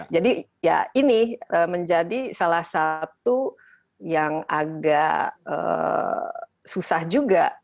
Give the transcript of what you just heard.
ya ini menjadi salah satu yang agak susah juga